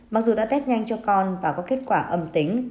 mặc dù đã test nhanh cho con và có kết quả âm tính